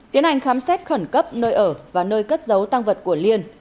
tiến hành khám xét khẩn cấp nơi ở và nơi cất giấu tăng vật của liên